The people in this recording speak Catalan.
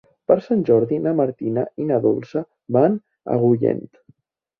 Per Sant Jordi na Martina i na Dolça van a Agullent.